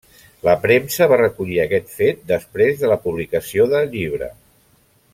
La premsa va recollir aquest fet després de la publicació de llibre.